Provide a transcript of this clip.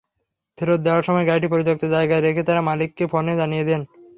ফেরত দেওয়ার সময় গাড়িটি পরিত্যক্ত জায়গায় রেখে তাঁরা মালিককে ফোনে জানিয়ে দেন।